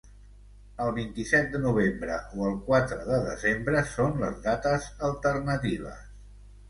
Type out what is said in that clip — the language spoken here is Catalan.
El vint-i-set de novembre o el quatre de desembre són les dates alternatives.